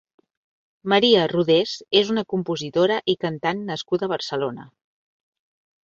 Maria Rodés és una compositora i cantant nascuda a Barcelona.